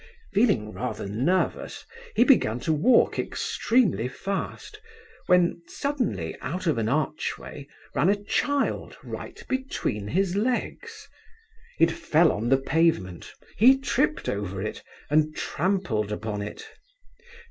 Feeling rather nervous he began to walk extremely fast, when suddenly out of an archway ran a child right between his legs. It fell on the pavement, he tripped over it, and trampled upon it.